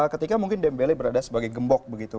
ketika mungkin dembele berada sebagai gembok begitu